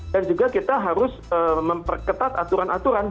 dan juga kita harus memperketat aturan aturan